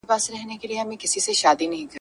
په رڼو سترګو چي خوب کړي دا پر مړو حسابیږي !.